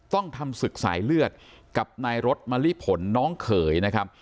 ต้องทำศึกสายเลือดกับนายรถมะลิผลน้องเขยนะครับ